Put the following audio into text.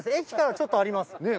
駅からちょっとあります。